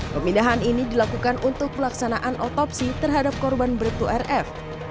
pemindahan ini dilakukan untuk pelaksanaan otopsi terhadap korban bribtu rf